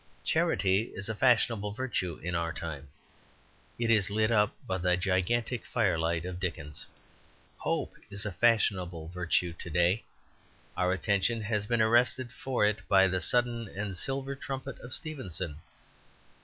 Charity is a fashionable virtue in our time; it is lit up by the gigantic firelight of Dickens. Hope is a fashionable virtue to day; our attention has been arrested for it by the sudden and silver trumpet of Stevenson.